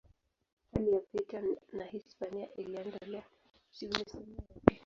Hali ya vita na Hispania iliendelea.